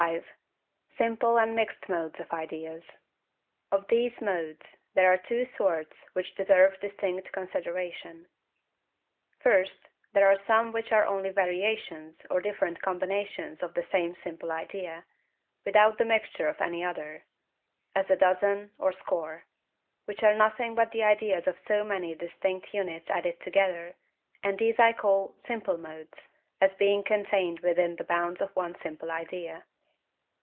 Simple and mixed Modes of Ideas. Of these MODES, there are two sorts which deserve distinct consideration:— First, there are some which are only variations, or different combinations of the same simple idea, without the mixture of any other;—as a dozen, or score; which are nothing but the ideas of so many distinct units added together, and these I call SIMPLE MODES as being contained within the bounds of one simple idea.